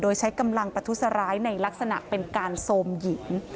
โดยใช้กำลังประทุษร้ายในลักษณะเป็นการโทรมหญิง